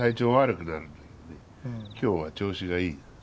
今日は調子がいい。